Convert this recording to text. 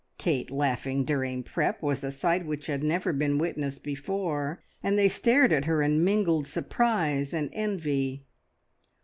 Kate laughing during prep was a sight which had never been witnessed before, and they stared at her in mingled surprise and envy.